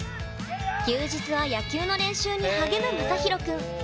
休日は野球の練習に励むまさひろくん。